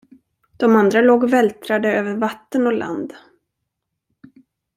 De andra låg och vältrade över vatten och land.